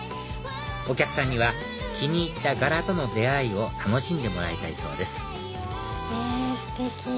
お客さんには気に入った柄との出会いを楽しんでもらいたいそうですステキ！